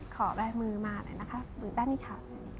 ขอแวะมือมาหน่อยนะคะมือด้านนี้ค่ะ